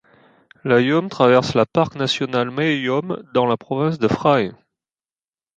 La Yom traverse la Parc national Mae Yom dans la province de Phrae.